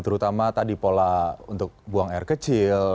terutama pola buang air kecil